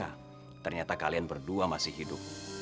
dan saya menyangka ternyata kalian berdua masih hidup